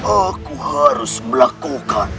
aku harus melakukan